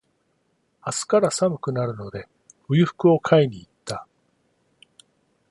明日から寒くなるので、冬服を買いに行った。